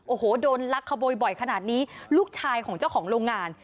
โอ้โหโดนลักขโมยบ่อยขนาดนี้ลูกชายของเจ้าของโรงงาน